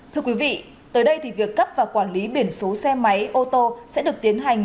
thưa quý vị tới đây thì việc cấp và quản lý biển số xe máy ô tô sẽ được tiến hành